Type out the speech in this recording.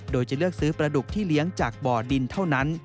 โดยจะเลือกซื้อปลาดุกที่เลี้ยงจากบ่อดินเท่านั้น